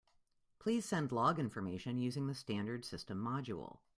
Please send log information using the standard system module.